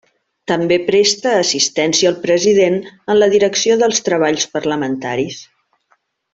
També presta assistència al President en la direcció dels treballs parlamentaris.